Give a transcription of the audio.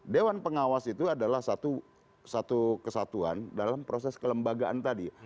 dewan pengawas itu adalah satu kesatuan dalam proses kelembagaan tadi